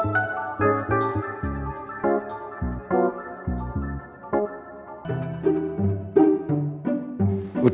aku sudah selesai